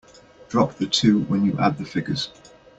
Drop the two when you add the figures.